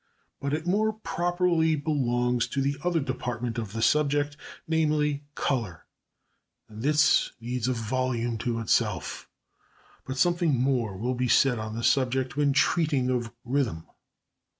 But it more properly belongs to the other department of the subject, namely Colour, and this needs a volume to itself. But something more will be said on this subject when treating of Rhythm.